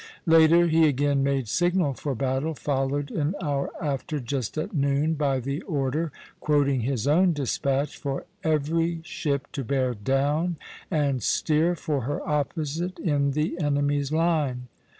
Later, he again made signal for battle, followed an hour after, just at noon, by the order (quoting his own despatch), "for every ship to bear down and steer for her opposite in the enemy's line."